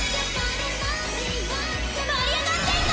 盛り上がっていこ！！